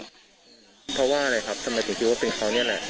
เพราะว่าอะไรครับทำไมถึงคิดว่าเป็นเขานี่แหละ